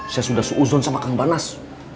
saya sudah seuzon sama kang banas